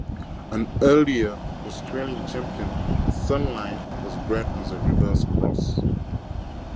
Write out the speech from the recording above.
An earlier Australian champion, Sunline, was bred on the reverse cross.